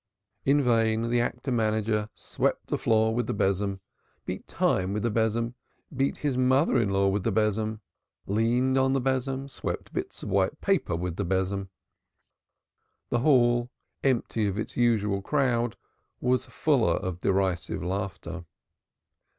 In vain the actor manager swept the floor with the besom, beat time with the besom, beat his mother in law with the besom, leaned on the besom, swept bits of white paper with the besom. The hall, empty of its usual crowd, was fuller of derisive laughter.